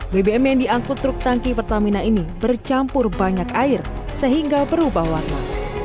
bbm yang diangkut truk tangki pertamina ini bercampur banyak air sehingga berubah warna